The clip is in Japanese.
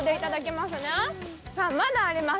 まだあります。